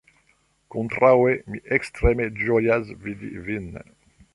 Kontraŭe, mi ekstreme ĝojas vidi vin.